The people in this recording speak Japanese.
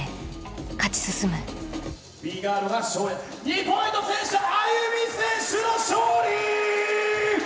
Ｂガール２ポイント制したＡＹＵＭＩ選手の勝利！